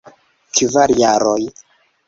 Kvar jaroj.